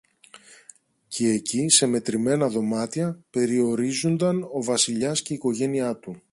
Κι εκεί, σε μετρημένα δωμάτια, περιορίζουνταν ο Βασιλιάς και η οικογένεια του.